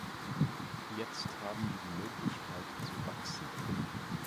Jetzt haben wir die Möglichkeit zu wachsen.